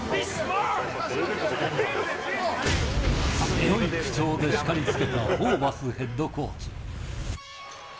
強い口調で叱りつけたホーバスヘッドコーチ。